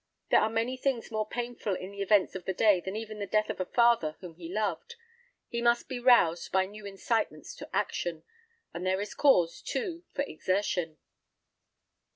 There are many things more painful in the events of the day than even the death of a father whom he loved. He must be roused by new incitements to action; and there is cause, too, for exertion."